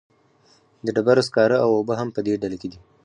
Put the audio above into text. د ډبرو سکاره او اوبه هم په دې ډله کې دي.